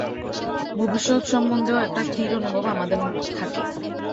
ভবিষ্যৎ সম্বন্ধেও একটা স্থির অনুভব আমাদের থাকে।